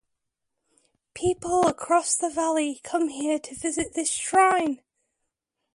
People across the valley come here to visit the shrine.